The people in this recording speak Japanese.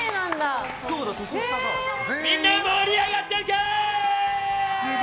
みんな、盛り上がってるか！